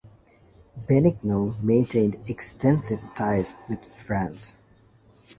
Benigno maintained extensive ties with France.